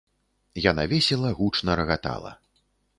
Яна весела, гучна рагатала.